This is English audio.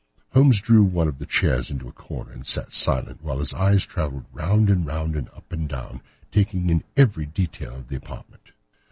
Holmes drew one of the chairs into a corner and sat silent, while his eyes travelled round and round and up and down, taking in every detail of the apartment.